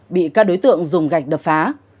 bị các đối tượng dùng gạch đập phá